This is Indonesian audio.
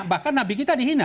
bahkan nabi kita dihina